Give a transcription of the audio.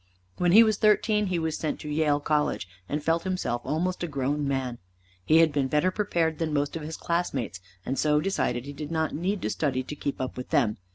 When he was thirteen he was sent to Yale College, and felt himself almost a grown man. He had been better prepared than most of his classmates, and so decided he did not need to study to keep up with them.